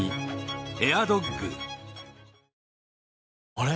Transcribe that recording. あれ？